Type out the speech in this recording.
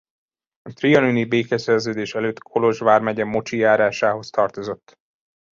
A trianoni békeszerződés előtt Kolozs vármegye Mocsi járásához tartozott.